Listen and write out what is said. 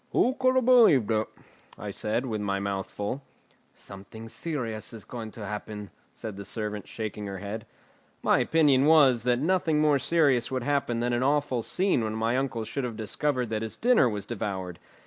"Who could have believed it?" I said, with my mouth full. "Something serious is going to happen," said the servant, shaking her head. My opinion was, that nothing more serious would happen than an awful scene when my uncle should have discovered that his dinner was devoured.